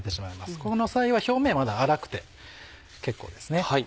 この際は表面はまだ粗くて結構ですね。